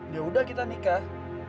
ya udah kita nikah